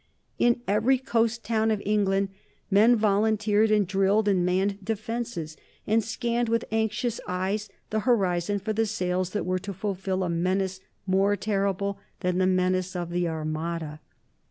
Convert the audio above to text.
In every coast town of England men volunteered and drilled and manned defences, and scanned with anxious eyes the horizon for the sails that were to fulfil a menace more terrible than the menace of the Armada.